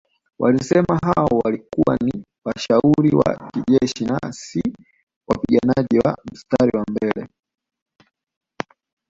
Walisema hao walikuwa ni washauri wa kijeshi na si wapiganaji wa mstari wa mbele